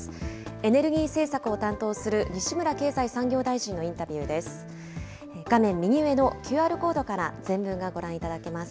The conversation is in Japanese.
エネルギー政策を担当する西村経済産業大臣のインタビューです。